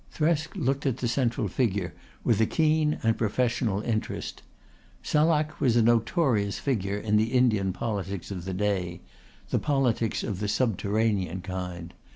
Thresk looked at, the central figure with a keen and professional interest. Salak was a notorious figure in the Indian politics of the day the politics of the subterranean kind.